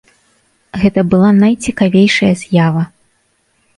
Гэта была найцікавейшая з'ява.